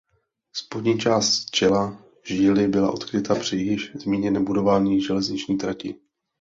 Spodní část čela žíly byla odkryta při již zmíněném budování železniční trati.